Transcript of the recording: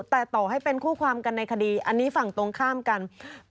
แต่ต่อให้เป็นคู่ความกันในคดีอันนี้ฝั่งตรงข้ามกัน